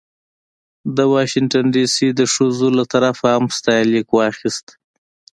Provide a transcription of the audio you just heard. د واشنګټن ډې سي د ښځو له طرفه هم ستاینلیک واخیست.